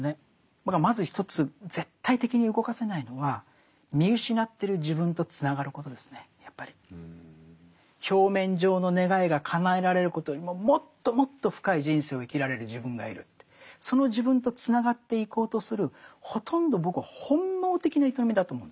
まず一つ絶対的に動かせないのは表面上の願いがかなえられることよりももっともっと深い人生を生きられる自分がいるってその自分とつながっていこうとするほとんど僕は本能的な営みだと思うんです。